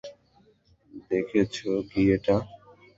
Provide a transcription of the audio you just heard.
দেখেছ কী এটা?